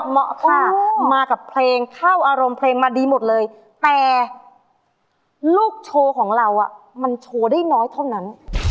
เหมาะค่ะมากับเพลงเข้าอารมณ์เพลงมาดีหมดเลยแต่ลูกโชว์ของเรามันโชว์ได้น้อยเท่านั้น